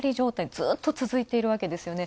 ずっと続いているわけですよね。